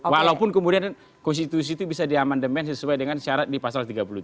walaupun kemudian konstitusi itu bisa diamandemen sesuai dengan syarat di pasal tiga puluh tujuh